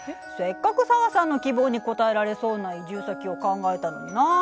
せっかく紗和さんの希望に応えられそうな移住先を考えたのにな。